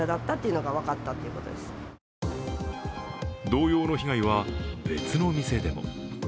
同様の被害は別の店でも。